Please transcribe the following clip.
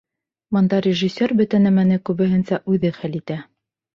Бында режиссер бөтә нәмәне күбеһенсә үҙе хәл итә.